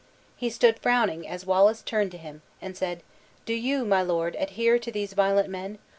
He stood frowning as Wallace turned to him, and said, "Do you, my lord, adhere to these violent men?